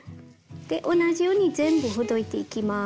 で同じように全部ほどいていきます。